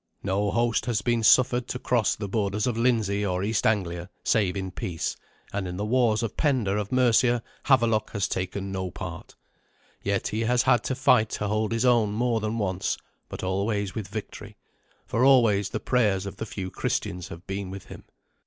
No host has been suffered to cross the borders of Lindsey or East Anglia, save in peace, and in the wars of Penda of Mercia Havelok has taken no part. Yet he has had to fight to hold his own more than once, but always with victory, for always the prayers of the few Christians have been with him.